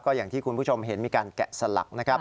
อย่างที่คุณผู้ชมเห็นมีการแกะสลักนะครับ